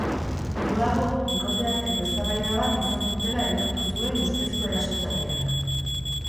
Geroago, bikote arteko eztabaida bat izan zutela aitortu zuen ustezko erasotzaileak.